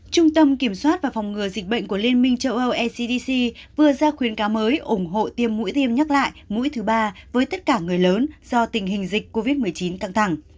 trung tâm kiểm soát và phòng ngừa dịch bệnh của liên minh châu âu ecdc vừa ra khuyến cáo mới ủng hộ tiêm mũi tiêm nhắc lại mũi thứ ba với tất cả người lớn do tình hình dịch covid một mươi chín căng thẳng